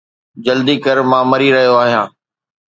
جلدي ڪر، مان مري رهيو آهيان